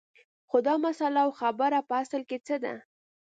خو دا مسله او خبره په اصل کې څه ده